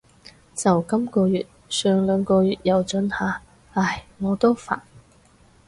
就今个月，上兩個月又准下。唉，我都煩